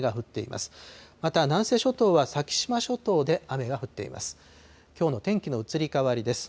また、南西諸島は先島諸島で雨が降っています。